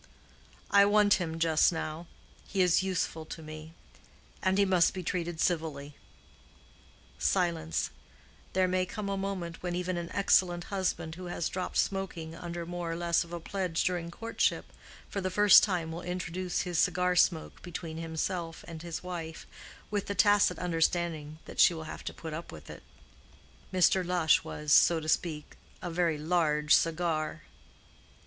"I want him just now. He is useful to me; and he must be treated civilly." Silence. There may come a moment when even an excellent husband who has dropped smoking under more or less of a pledge during courtship, for the first time will introduce his cigar smoke between himself and his wife, with the tacit understanding that she will have to put up with it. Mr. Lush was, so to speak, a very large cigar.